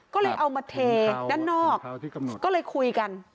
ก็เลยเอามาเทด้านนอกก็เลยคุยกัน